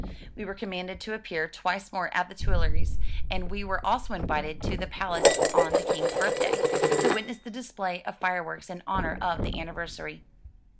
We were commanded to appear twice more at the Tuileries, and we were also invited to the Palace on the King's birthday, to witness the display of fireworks in honor of the anniversary.